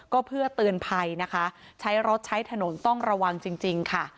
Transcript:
ก็เพื่อเตือนภัยนะคะใช้รถใช้ถนนต้องระวังจริงค่ะ